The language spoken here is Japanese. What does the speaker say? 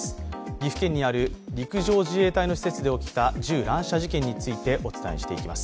岐阜県にある陸上自衛隊の施設で起きた銃乱射事件についてお伝えしていきます。